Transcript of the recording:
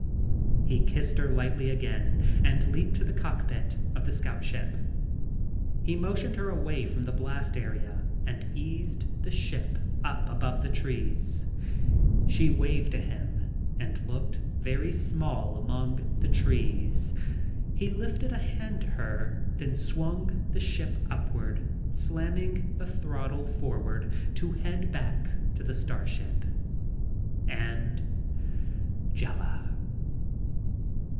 He kissed her lightly again and leaped to the cockpit of the scout ship. He motioned her away from the blast area and eased the ship up above the trees. She waved to him and looked very small among the trees. He lifted a hand to her, then swung the ship upward, slamming the throttle forward to head back to the starship. And Jela.